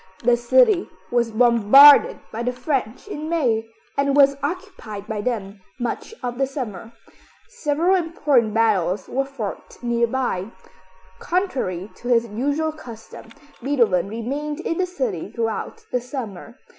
The city was bombarded by the French in May, and was occupied by them much of the summer. Several important battles were fought nearby. Contrary to his usual custom, Beethoven remained in the city throughout the summer.